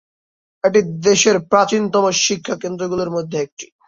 এটি দেশের প্রাচীনতম শিক্ষা কেন্দ্রগুলির মধ্যে একটি।